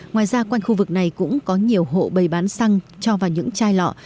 ngoài ra quanh khu vực này cũng có nhiều hộ bày bán xăng cho vào những chai lọ